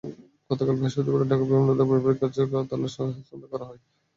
গতকাল বৃহস্পতিবার ঢাকায় বিমানবন্দরে পরিবারের কাছে তাঁর লাশ হস্তান্তর করা হয়।